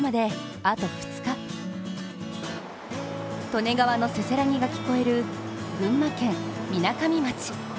利根川のせせらぎが聞こえる群馬県みなかみ町。